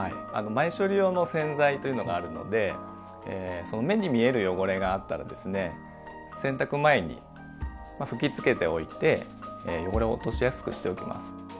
前処理用の洗剤というのがあるので目に見える汚れがあったら洗濯前に吹きつけておいて汚れを落としやすくしておきます。